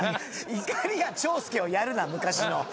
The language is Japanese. いかりや長介をやるな昔の。